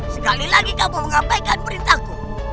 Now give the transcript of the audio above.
sekali lagi kamu mengabaikan perintahku